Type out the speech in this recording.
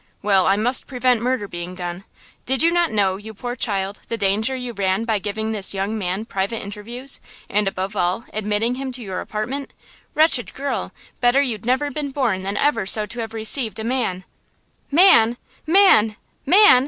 (Well, I must prevent murder being done!) Did you not know, you poor child, the danger you ran by giving this young man private interviews; and, above all, admitting him to your apartment? Wretched girl! better you'd never been born than ever so to have received a man!" "Man!